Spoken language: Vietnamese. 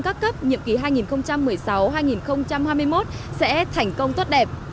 cấp cấp nhiệm ký hai nghìn một mươi sáu hai nghìn hai mươi một sẽ thành công tốt đẹp